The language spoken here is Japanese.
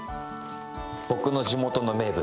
僕の地元の名物